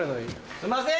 すんません！